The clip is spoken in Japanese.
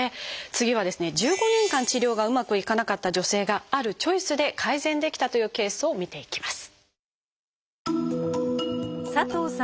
次はですね１５年間治療がうまくいかなかった女性があるチョイスで改善できたというケースを見ていきます。